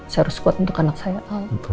saya harus kuat untuk anak saya